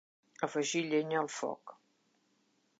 Afegir llenya al foc.